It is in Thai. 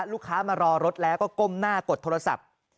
ลูกค้ามารอรถแล้วก็ก้มหน้ากดโทรศัพท์